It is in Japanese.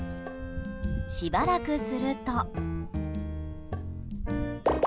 しばらくすると。